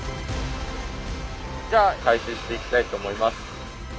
じゃあ開始していきたいと思います。